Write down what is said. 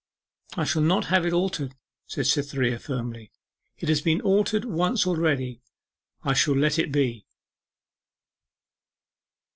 'I shall not have it altered,' said Cytherea firmly; 'it has been altered once already: I shall let it be.